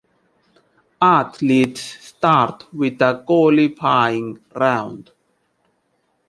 Athletes start with a qualifying round.